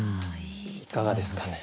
いかがですかね？